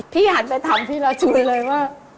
หันไปถามพี่ราชูนเลยว่า